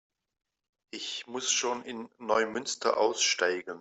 Ich muss schon in Neumünster aussteigen